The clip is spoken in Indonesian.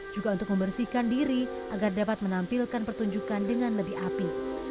juga untuk membersihkan diri agar dapat menampilkan pertunjukan dengan lebih api